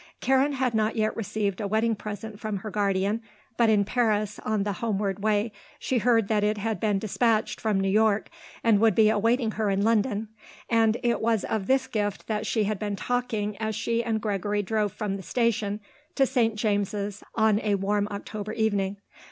Karen had not yet received a wedding present from her guardian, but in Paris, on the homeward way, she heard that it had been dispatched from New York and would be awaiting her in London, and it was of this gift that she had been talking as she and Gregory drove from the station to St. James's on a warm October evening.